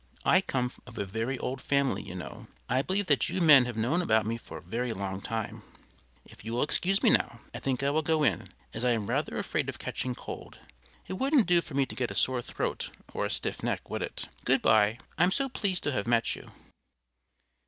I come of a very old family, you know; I believe that you men have known about me for a very long time. If you will excuse me now, I think I will go in, as I am rather afraid of catching cold; it wouldn't do for me to get a sore throat or a stiff neck, would it? Good by I I'm so pleased to have met you.